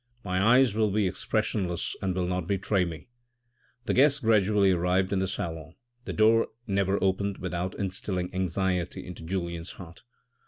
My eyes will be expressionless and will not betray me ! The guests gradually arrived in the salon ; the door never opened without instilling anxiety into Julien's heart.